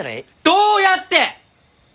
どうやって！？